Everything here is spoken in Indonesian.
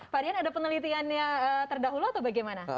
farian ada penelitiannya terdahulu atau bagaimana